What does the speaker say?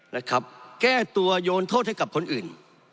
และแก้ตัวยนโทษให้กับคนอื่น